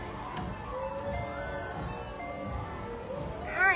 はい。